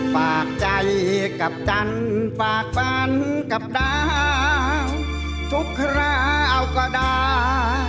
ฝากใจกับจันทร์ฝากฝันกับดาวทุกคราวก็ได้